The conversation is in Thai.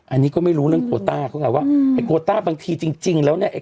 อันนี้ก็ไม่รู้เรื่องโคต้าเขาไงว่าไอ้โคต้าบางทีจริงแล้วเนี่ยไอ